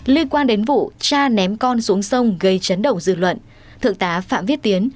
liên quan đến vụ cha ném con xuống sông gây chấn động dư luận thượng tá phạm viết tiến